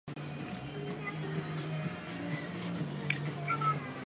黑凯门鳄现正濒临绝种。